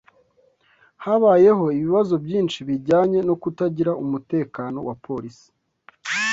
Habayeho ibibazo byinshi bijyanye no kutagira umutekano wa polisi.